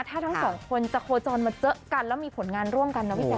ถ้าทั้งสองคนมาเจ๊ะกันแล้วมีผลงานร่วมกันนะพี่แจ๊ก